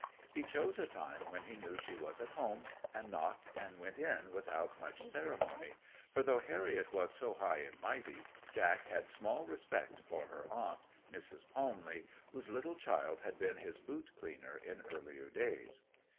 He chose a time when he knew she was at home, and knocked and went in without much ceremony; for though Harriet was so high and mighty, Jack had small respect for her aunt, Mrs. Palmley, whose little child had been his boot cleaner in earlier days.